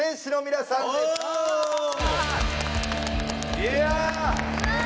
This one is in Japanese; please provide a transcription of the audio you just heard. いや！